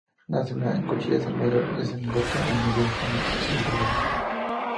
Nace en la Cuchilla San Salvador y desemboca en el río San Salvador.